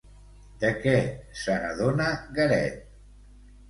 De què se n'adona Garet?